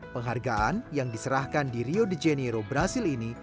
penghargaan yang diserahkan di rio de janeiro brazil ini